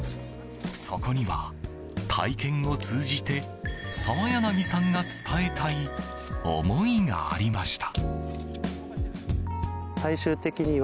そこには、体験を通じて澤柳さんが伝えたい思いがありました。